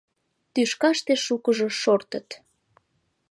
Тӱшкаште шукыжо шортыт.